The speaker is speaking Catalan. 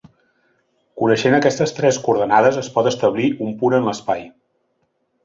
Coneixent aquestes tres coordenades, es pot establir un punt en l'espai.